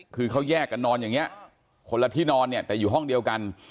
คือเขาแยกกันนอนอย่างนี้คนละที่นอนเนี่ยแต่อยู่ห้องเดียวกัน